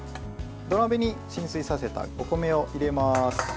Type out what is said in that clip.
土鍋に浸水させたお米を入れます。